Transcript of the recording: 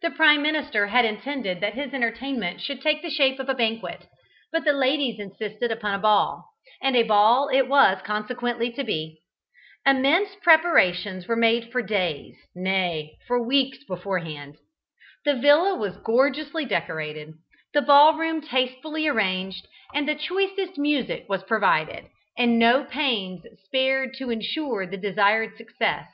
The Prime Minister had intended that his entertainment should take the shape of a banquet; but the ladies insisted upon a ball, and a ball it was consequently to be. Immense preparations were made for days, nay, for weeks beforehand. The villa was gorgeously decorated, the ball room tastefully arranged, the choicest music was provided, and no pains spared to ensure the desired success.